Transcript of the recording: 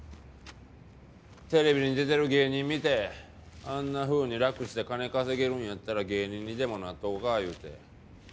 テレビに出てる芸人見てあんなふうに楽して金稼げるんやったら芸人にでもなっとこかいうて。